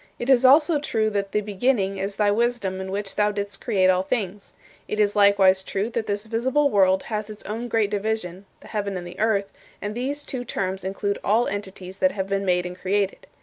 It is also true that "the beginning" is thy wisdom in which thou didst create all things. It is likewise true that this visible world has its own great division (the heaven and the earth) and these two terms include all entities that have been made and created.